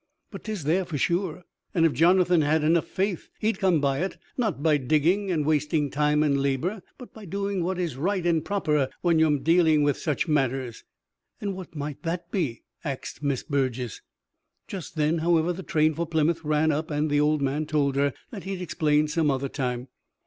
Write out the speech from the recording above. But 'tis there for sure; and if Jonathan had enough faith he'd come by it not by digging and wasting time and labor, but by doing what is right and proper when you'm dealing with such matters." "And what might that be?" axed Miss Burges. Just then, however, the train for Plymouth ran up, and the old man told her that he'd explain some other time.